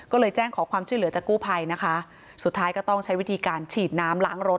ก็เลยแจ้งขอความช่วยเหลือจากกู้ภัยนะคะสุดท้ายก็ต้องใช้วิธีการฉีดน้ำล้างรถ